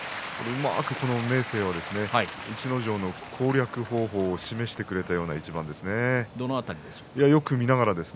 うまく明生は逸ノ城の攻略方法を示してくれたような一番でしたね。